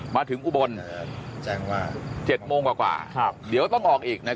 มาถึงอุบล๗โมงกว่าเดี๋ยวต้องออกอีกนะครับ